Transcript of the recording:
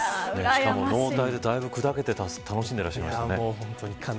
しかもだいぶ砕けて楽しんでいらっしゃいましたね。